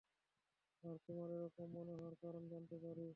আর তোমার এরকম মনে হওয়ার কারণ জানতে পারি?